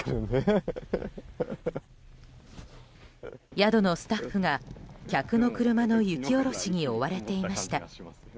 宿のスタッフが、客の車の雪下ろしに追われていました。